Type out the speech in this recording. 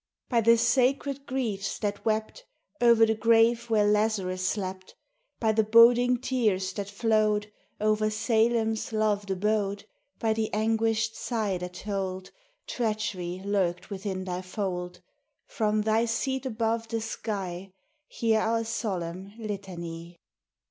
By the sacred griefs that wept O'er the grave where Lazarus slept; By the boding tears that flowed Over Salem's loved abode; By the anguished sigh that told Treachery lurked within Thy fold, From Thy seat above the sky Hear our solemn litany!